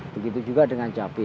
begitu juga dengan cabai